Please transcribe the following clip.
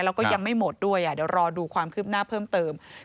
แล้วก็ยังไม่หมดด้วยเดี๋ยวรอดูความคืบหน้าเพิ่มเติม